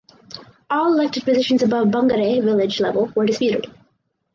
All elected positions above the barangay (village) level were disputed.